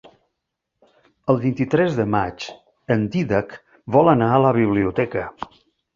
El vint-i-tres de maig en Dídac vol anar a la biblioteca.